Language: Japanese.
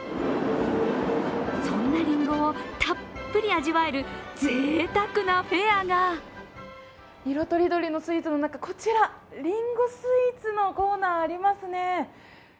そんなりんごをたっぷり味わえるぜいたくなフェアが色とりどりのスイーツの中、こちらりんごスイーツのコーナー、ありますね。